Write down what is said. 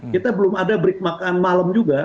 kita belum ada break makan malam juga